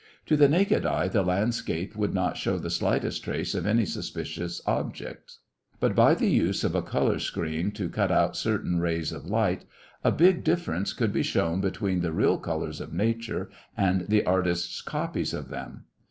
To the naked eye the landscape would not show the slightest trace of any suspicions object, but by the use of a color screen to cut out certain rays of light, a big difference would be shown between the real colors of nature and the artist's copies of them.